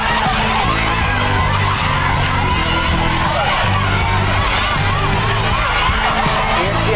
เหยียบเลย